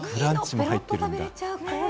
ペロッと食べれちゃう。